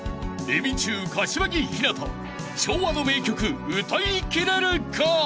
［エビ中柏木ひなた昭和の名曲歌いきれるか？］